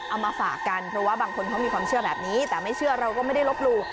เอามาฝากกันเพราะว่าบางคนเขามีความเชื่อแบบนี้แต่ไม่เชื่อเราก็ไม่ได้ลบหลู่